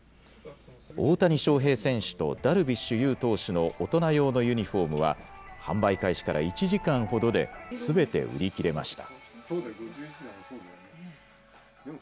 大谷翔平選手とダルビッシュ有投手の大人用のユニホームは、販売開始から１時間ほどですべて売り切れました。